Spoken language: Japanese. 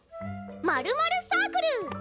まるまるサークル！